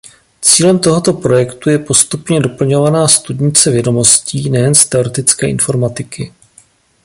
Cílem tohoto projektu je postupně doplňovaná studnice vědomostí nejen z teoretické informatiky.